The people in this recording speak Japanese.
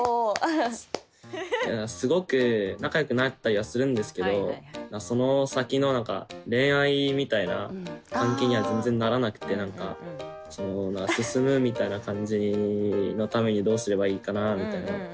すごく仲良くなったりはするんですけどその先の何か恋愛みたいな関係には全然ならなくって何かその進むみたいな感じのためにどうすればいいかなみたいな。